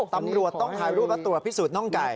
ตำรวจต้องถ่ายรูปและตรวจพิสูจน่องไก่